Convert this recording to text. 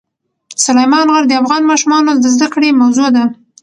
سلیمان غر د افغان ماشومانو د زده کړې موضوع ده.